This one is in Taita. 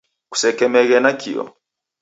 Kusekemeghee nakio.